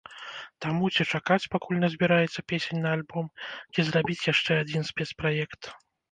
Таму, ці чакаць, пакуль назбіраецца песень на альбом, ці зрабіць яшчэ адзін спецпраект.